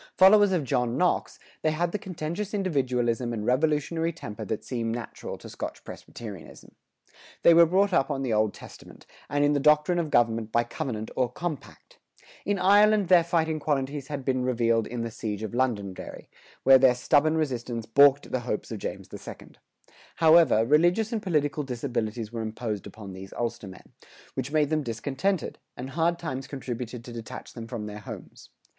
Followers of John Knox, they had the contentious individualism and revolutionary temper that seem natural to Scotch Presbyterianism. They were brought up on the Old Testament, and in the doctrine of government by covenant or compact. In Ireland their fighting qualities had been revealed in the siege of Londonderry, where their stubborn resistance balked the hopes of James II. However, religious and political disabilities were imposed upon these Ulstermen, which made them discontented, and hard times contributed to detach them from their homes.